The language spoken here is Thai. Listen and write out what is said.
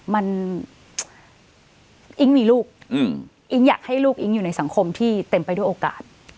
มันอิ๊งมีลูกอิ๊งอยากให้ลูกอิ๊งอยู่ในสังคมที่เต็มไปด้วยโอกาส